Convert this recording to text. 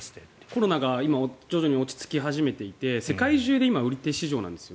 コロナが今徐々に落ち着き始めていて世界中で今、売り手市場なんです。